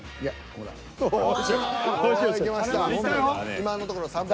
今のところ３本。